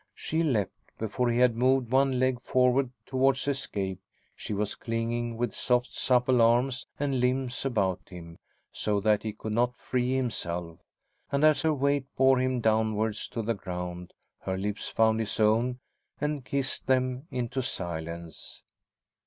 She leapt. Before he had moved one leg forward towards escape, she was clinging with soft, supple arms and limbs about him, so that he could not free himself, and as her weight bore him downwards to the ground, her lips found his own and kissed them into silence.